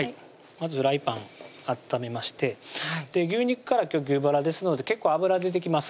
まずフライパン温めましてはい牛肉から今日牛バラですので結構脂出てきます